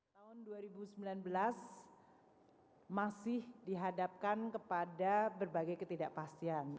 tahun dua ribu sembilan belas masih dihadapkan kepada berbagai ketidakpastian